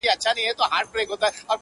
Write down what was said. ستا جنتي زلفې او زما دوه دوزخي لاسونه~